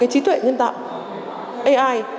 chí tuệ nhân tạo ai